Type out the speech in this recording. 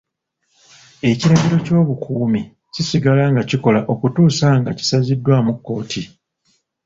Ekiragiro ky'obukuumi kisigala nga kikola okutuusa nga kisaziddwaamu kkooti.